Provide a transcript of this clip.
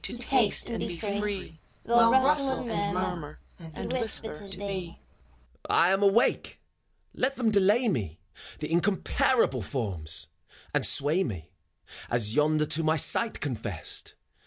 To taste, and be free : Well rustle and murmur. And whisper to thee. n FAUST. FAUST. I am awake! Let them delay me, The incomparahle Forms !— and sway me, As yonder to my sight confessed